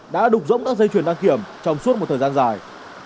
đã đục rỗng các dây chuyển đăng kiểm trong suốt một thời gian dài